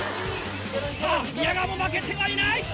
さぁ宮川も負けてはいない。